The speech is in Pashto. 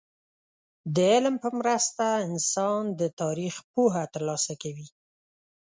د علم په مرسته انسان د تاريخ پوهه ترلاسه کوي.